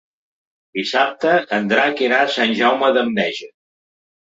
Dissabte en Drac irà a Sant Jaume d'Enveja.